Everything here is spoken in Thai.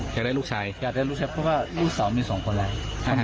อยากได้ลูกชายอยากได้ลูกชายเพราะว่าลูกสองมีสองคนแล้ว